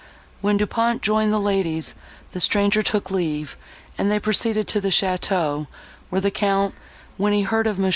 When Du Pont joined the ladies, the stranger took leave, and they proceeded to the château, where the Count, when he heard of Mons.